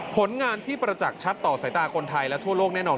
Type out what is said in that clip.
ผลงานที่ประจักษ์ชัดต่อสายตาคนไทยและทั่วโลกแน่นอน